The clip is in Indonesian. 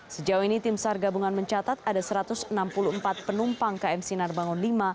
sejauh ini tim sar gabungan mencatat ada satu ratus enam puluh empat penumpang km sinar bangun v